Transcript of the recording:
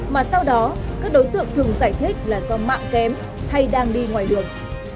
mà sau đó các đối tượng thường giải thích là do mạng kém hay đang đi ngoài đường